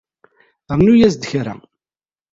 Rnu-as-d kra